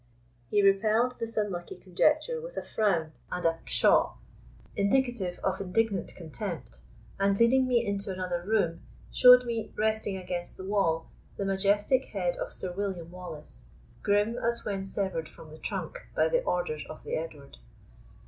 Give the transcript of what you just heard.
He repelled this unlucky conjecture with a frown and a pshaw, indicative of indignant contempt, and leading me into another room, showed me, resting against the wall, the majestic head of Sir William Wallace, grim as when severed from the trunk by the orders of the Edward.